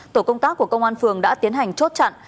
tổ công tác của công an phường đã tiến hành chốt chặn